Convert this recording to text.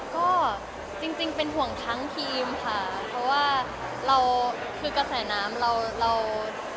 ก็จริงเป็นห่วงทั้งทีมค่ะเพราะว่าเราคือกระแสน้ำเราเรา